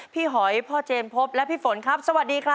หอยพ่อเจมส์พบและพี่ฝนครับสวัสดีครับ